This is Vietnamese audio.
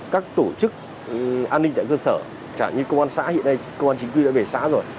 các tổ chức an ninh tại cơ sở chẳng như công an xã hiện nay công an chính quy đã về xã rồi